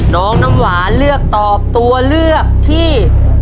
น้องน้ำหวานเลือกตอบตัวเลือกที่